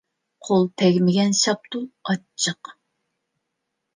قول تەگمىگەن شاپتۇل ئاچچىق.